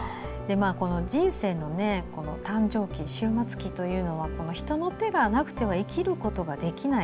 人生の誕生期、終末期というのは人の手がなくては生きることができない。